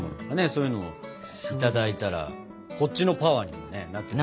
そういうのもいただいたらこっちのパワーにもなって。